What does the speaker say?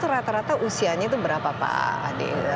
rata rata usianya itu berapa pak ade